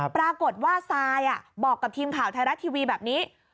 ปรากฏว่าซายบอกกับทีมข่าวไทยรัฐทีวีแบบนี้